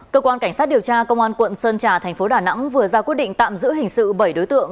cơ quan cảnh sát điều tra công an quận sơn trà thành phố đà nẵng vừa ra quyết định tạm giữ hình sự bảy đối tượng